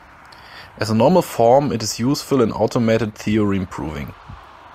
As a normal form, it is useful in automated theorem proving.